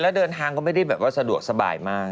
และเดินทางก็ไม่ได้สะดวกสบายมาก